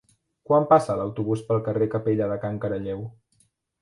Quan passa l'autobús pel carrer Capella de Can Caralleu?